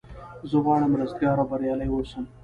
زه غواړم رستګار او بریالی اوسم.